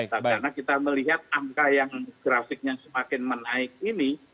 karena kita melihat angka yang grafiknya semakin menaik ini